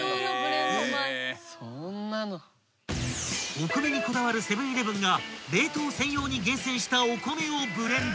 ［お米にこだわるセブン−イレブンが冷凍専用に厳選したお米をブレンド］